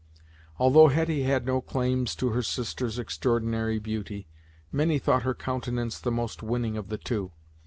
Although Hetty had no claims to her sister's extraordinary beauty, many thought her countenance the most winning of the two.